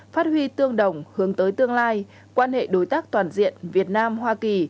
phát huy tương đồng hướng tới tương lai quan hệ đối tác toàn diện việt nam hoa kỳ